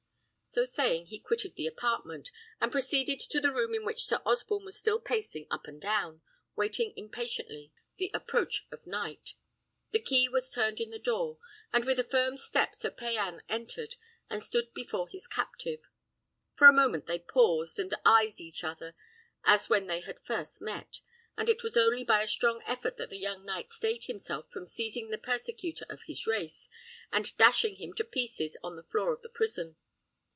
So saying, he quitted the apartment, and proceeded to the room in which Sir Osborne was still pacing up and down, waiting impatiently the approach of night. The key turned in the door, and with a firm step Sir Payan entered, and stood before his captive. For a moment they paused, and eyed each other as when they had first met; and it was only by a strong effort that the young knight stayed himself from seizing the persecutor of his race, and dashing him to pieces on the floor of the prison.